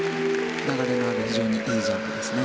流れのある非常にいいジャンプですね。